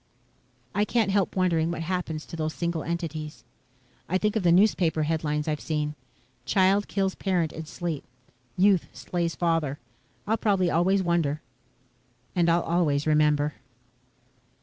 _' "I can't help wondering what happens to those single entities. I think of the newspaper headlines I've seen: Child Kills Parents in Sleep. Youth Slays Father. I'll probably always wonder and I'll always remember...."